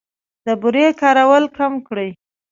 د بورې کارول کم کړئ.